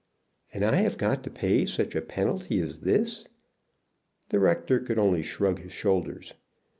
"And I have got to pay such a penalty as this?" The rector could only shrug his shoulders.